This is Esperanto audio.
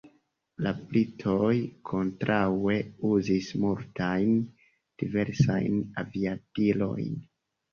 La britoj kontraŭe uzis multajn diversajn aviadilojn.